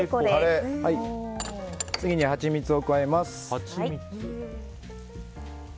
次にハチミツを加えます。